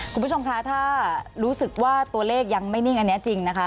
คุณผู้ชมคะถ้ารู้สึกว่าตัวเลขยังไม่นิ่งอันนี้จริงนะคะ